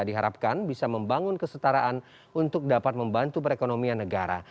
diharapkan bisa membangun kesetaraan untuk dapat membantu perekonomian negara